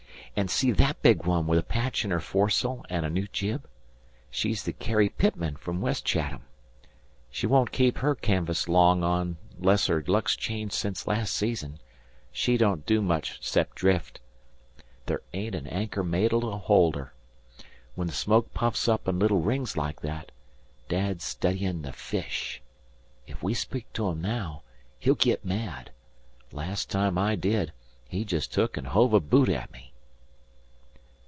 An' see that big one with a patch in her foresail an' a new jib? She's the Carrie Pitman from West Chat ham. She won't keep her canvas long onless her luck's changed since last season. She don't do much 'cep' drift. There ain't an anchor made 'll hold her. ... When the smoke puffs up in little rings like that, Dad's studyin' the fish. Ef we speak to him now, he'll git mad. Las' time I did, he jest took an' hove a boot at me."